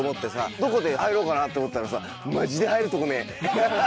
どこで入ろうかなって思ったらさマジで入るとこねえ。